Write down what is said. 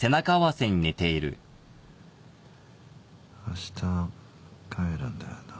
あした帰るんだよな。